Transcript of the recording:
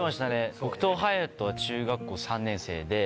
僕と隼は中学校３年生で。